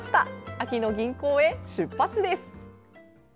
秋の吟行へ、出発です！